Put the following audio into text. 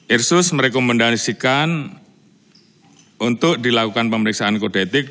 irsus merekomendasikan untuk dilakukan pemeriksaan kodetik